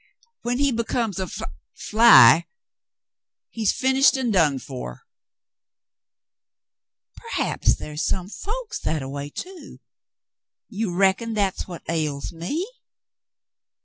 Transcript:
Wlien he becomes af — fly, he's finished and done for." "P'r'aps ther is some folks that a way, too. You reckon that's what ails me